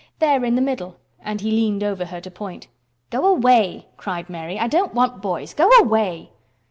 "There in the middle," and he leaned over her to point. "Go away!" cried Mary. "I don't want boys. Go away!"